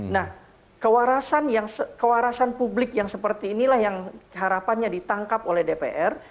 nah kewarasan publik yang seperti inilah yang harapannya ditangkap oleh dpr